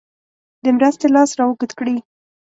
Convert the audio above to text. د مرستې لاس را اوږد کړي.